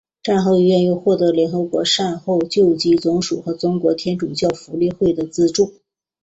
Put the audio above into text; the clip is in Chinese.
战后医院又获得了联合国善后救济总署和中国天主教福利会的资助。